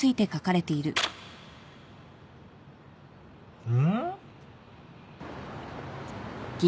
うん？